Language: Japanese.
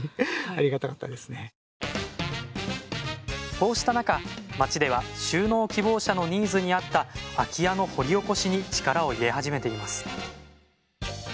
こうした中町では就農希望者のニーズに合った空き家の掘り起こしに力を入れ始めています